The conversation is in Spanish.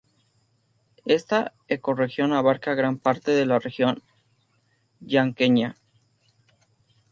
Esta ecorregión abarca gran parte de la región chaqueña.